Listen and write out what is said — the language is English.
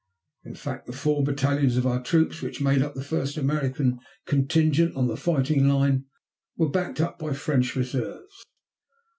In fact, the four battalions of our troops which made up the first American contingent on the fighting line were backed up by French reserves.